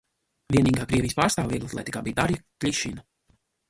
Vienīgā Krievijas pārstāve vieglatlētikā bija Darja Kļišina.